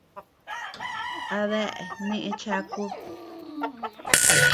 ¿Adeea neʼe chakud ?